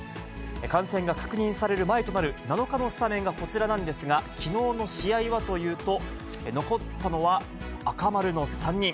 感染が確認される前となる７日のスタメンがこちらなんですが、きのうの試合はというと、残ったのは赤丸の３人。